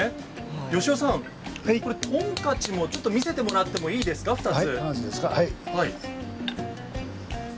良雄さん、トンカチを見せてもらってもいいですか２つ。